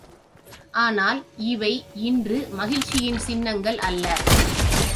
ஆனால் இவை இன்று மகிழ்ச்சியின் சின்னங்கள் அல்ல.